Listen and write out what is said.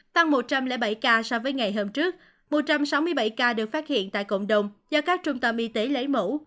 tăng một trăm linh bảy ca so với ngày hôm trước một trăm sáu mươi bảy ca được phát hiện tại cộng đồng do các trung tâm y tế lấy mẫu